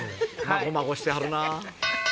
まごまごしてはるなぁ。